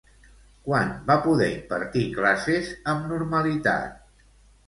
Quan va poder impartir classes amb normalitat?